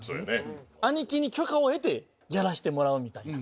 兄貴に許可を得てやらせてもらうみたいな。